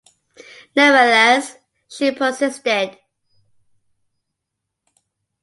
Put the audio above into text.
Nevertheless, she persisted.